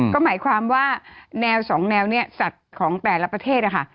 ก็หมายความว่าแนวสองแนวเนี่ยสัตว์ของแต่ละประเทศนะคะ